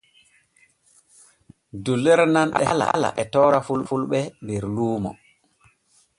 Dullere nanɗe haala e toora fulɓe der luuno.